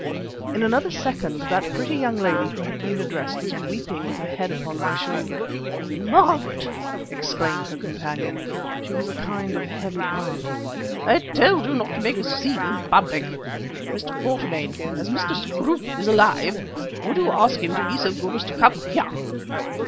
In another second that pretty young lady who had been addressed was weeping with her head upon my shoulder. "Margaret!" exclaimed her companion (she was a kind of heavy aunt), "I told you not to make a scene in public. Mr. Quatermain, as Mr. Scroope is alive, would you ask him to be so good as to come here."